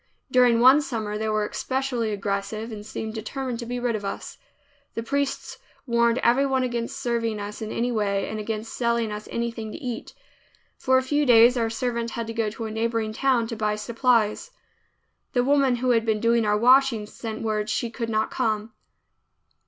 During one summer they were especially aggressive and seemed determined to be rid of us. The priests warned everyone against serving us in any way, and against selling us anything to eat. For a few days our servant had to go to a neighboring town to buy supplies. The woman who had been doing our washing sent word she could not come.